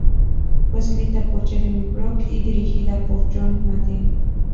Fue escrita por Jeremy Brock y dirigida por John Madden.